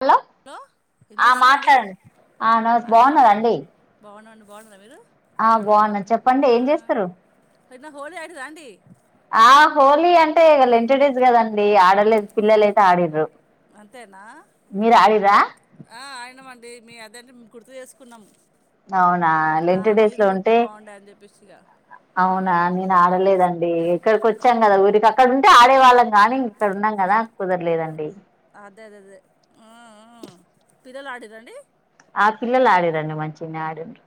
hello ఏం ఆ చేస్తున్నారండి మాట్లాడండి ఆ నమస్తే బాన్నరండి బాన్న మీరు ఆ బాన్నా చెప్పండి ఆ, ఏం చేస్తుర్రు నిన్న హోలీ ఆడిరా అండి ఆ హోలీ అంటే ఇంట్రడ్యూస్ కదండి ఆడట్ అంతేనా మీరు ఆడిర్రా ఓక్ అడినం మీ మీ అదేటి గుర్తుచేసుకునం అవునా లింటడ్యూస్లో ఉంటే బాగుండే అని చెప్పేసి ఇక అవునా నేను ఉమ్, ఆడలేదండి ఇక్కడికి వచ్చాం కదా ఊరికి అక్కడ ఉంటే ఆడేవాళ్ళం గానీ అ అదే అదే అదే ఆఅఅ పిల్లలు ఆడిర్రా అండి ఆ పిల్లలు ఆడిరండి మంచిగనే ఆడిండ్రు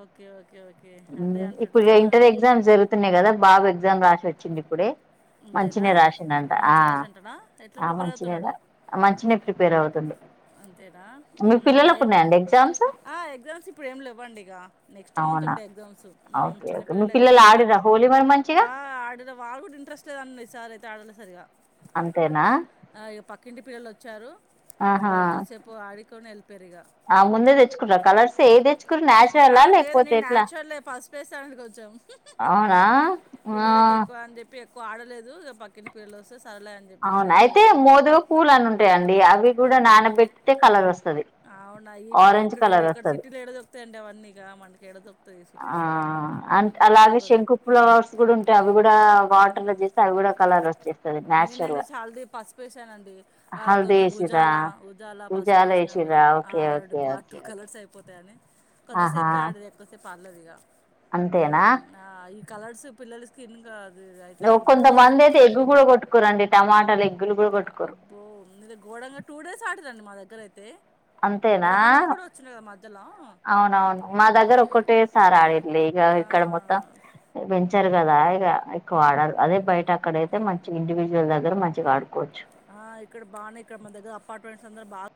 ఓకే ఓకే ఓకే అదే హ్ ఇప్పుడు అంటున్నా ఇంటర్ ఎగ్జామ్స్ జరుగుతున్నాయి కదా బాబు ఎగ్జామ్ రాసి వచ్చిండూ ఇప్పుడే అంతేనా మంచినే రాసిండు అంట ఆ మంచి రాశి అంటున్నా ఎట్లా ఆ ప్రిపేర్ మంచినే అవుతున్నాడు మంచినే ప్రిపేర్ అవుతుండు అంతేనా హు మీ పిల్లలకు ఏంటి ఉన్నాయండి ఎగ్జామ్స్ ఎగ్జామ్స్ ఇప్పుడు ఏమి లేవండి ఇగ నెక్స్ట్ మంత్ అవునా ఉండే ఎగ్జామ్స్ హ్మ ఓకే చిన్న ఓకే మీ పిల్లలే పిల్లలు కదా ఆడిరా హోలీ మరి మంచిగా ఆ అడినం వాలు కూడా ఇంట్రెస్ట్ లేద్దనది ఈసార్ అయితే ఆడలే సరిగా అంతేనా ఇక పక్కింటి పిల్లలు వచ్చారు ఆహా వాళ్ళ కొదిసేపు ఆడికొని వెళ్పో ఆ ముందే తెచ్చుకున్నార కలర్స్ ఏది తెచ్చుకురు న్యాచురల లేకపోతే ఎట్లా రెస్టారెంట్ కి వచ్చాం అవునా ఆ ఏకువ ఆడలేదు పక్కింటి పిల్లలు వస్తే సరలే అని చెప్పేసి అవునా ఇక అయితే మోదుగా పూలు అని ఉంటాయిండి అవి కూడా నానబెట్టితే కలర్ వస్తది అవునా ఇప్పుడు ఆరెంజ్ ఎక్కడ కలర్ ఏక్కడ వస్తది సిటీలో ఎడ దొరుకుతాయిండి అవన్నీగా మనకి యాడ దొరుకుతాయి సిటీలలో అ అలాగే దొరకవు కదా శంకు ఫ్లవర్స్ కూడా ఉంటాయి అవి కూడా వాటర్ లో చేస్తే అవి కూడా కలర్ వస్తాయి నేనేఏంది చాలది పసుపు ఎస్సాను అంతే ఆ హల్దీ కొంచెం వేసిర్రా ఉజాల ఉజాల పసుపు పూజాలు వేసిన కొంచె వేసిర్రా ఓకే ఓకే ఆ ఓకే టూ ఓకే కలర్స్ అయిపోత థాయ్ అని ఆహా కొద్దిసేపే ఆడురీ పర్లదు ఇక అంతేనా హ్మ ఈ కలర్స్ పిల్లల స్కిన్ అది అవుతుంది అని చెప్పేసి కొంతమంది అయితే ఎగ్గు కూడా కొట్టుకోరండి టమాటాలు ఎగ్గు అబ్బో మీద గోడంగా టూ డేస్ అడిరండి మా దగ్గర అయితే అంతేనా గ్రహణం కూడా వచ్చింది కదా మధ్యలో అవునవును మా దగ్గర ఒక్కటే సారీ అడీర్రు లేగ ఆ, ఇక్కడ మొత్తం వచ్చారు కదా ఇక ఎక్వ ఆడారు అదే బయట అక్కడైతే మంచి ఇండివిజువల్ దగ్గర మంచిగా ఆడుకోవచ్చు ఆ ఇక్కడ బాన్నాయి ఇక్కడ మన దగ్గర అపార్ట్మెంట్స్ అందరూ బాగా